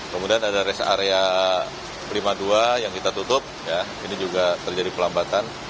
kemudian ada rest area prima dua yang kita tutup ini juga terjadi pelambatan